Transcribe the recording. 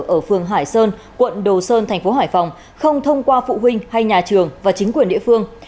ở phường hải sơn quận đồ sơn thành phố hải phòng không thông qua phụ huynh hay nhà trường và chính quyền địa phương